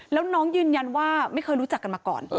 แล้วน้องยืนยันว่าไม่เคยรู้จักกันมาก่อน